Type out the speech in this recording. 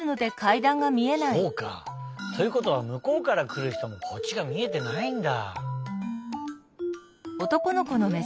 そうか。ということはむこうからくるひともこっちがみえてないんだ。